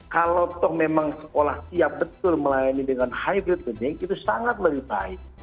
kalau memang sekolah siap betul melayani dengan hybrid learning itu sangat lebih baik